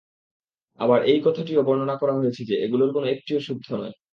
আবার এই কথাটিও বর্ণনা করা হয়েছে যে, এগুলোর কোন একটিও শুদ্ধ নয়।